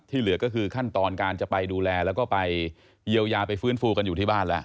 เหลือก็คือขั้นตอนการจะไปดูแลแล้วก็ไปเยียวยาไปฟื้นฟูกันอยู่ที่บ้านแล้ว